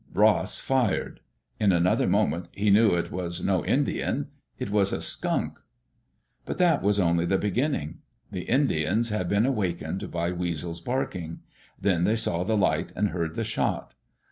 Ross fired. In another moment he knew it was no Indian. It was a skunk! But that was only the beginning. The Indians had been awakened by Weasel's barking. Then they saw the light and heard the shot.